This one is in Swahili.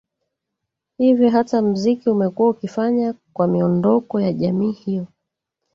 Hivyo hata mziki umekuwa ukifanya kwa miondoko ya jamii hiyo